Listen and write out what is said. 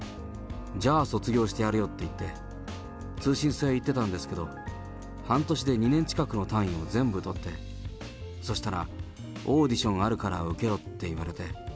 じゃあ、卒業してやるよっていって、通信制行ってたんですけど、半年で２年近くの単位を全部取って、そしたら、オーディションあるから受けろって言われて。